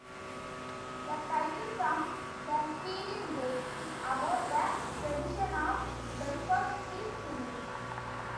The title song "The Healing Game" is about the tradition of Belfast street singing.